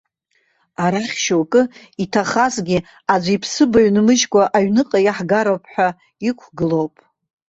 Арахь шьоукы, иҭахазгьы аӡә иԥсыбаҩ нмыжькәа аҩныҟа иаҳгароуп ҳәа иқәгылоуп.